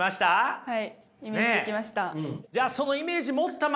はい。